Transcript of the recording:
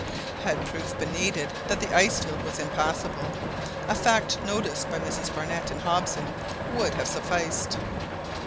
Had proof been needed that the ice field was impassable, a fact noticed by Mrs Barnett and Hobson would have sufficed.